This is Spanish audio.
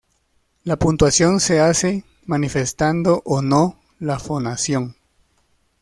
La puntuación se hace manifestando o no la fonación.